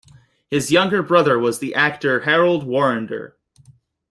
His younger brother was the actor Harold Warrender.